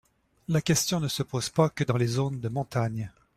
La question ne se pose pas que dans les zones de montagne.